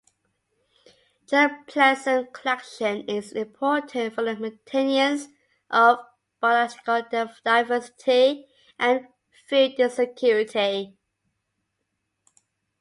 Germplasm collection is important for the maintenance of biological diversity and food security.